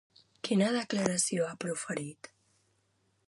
Quina declaració ha proferit?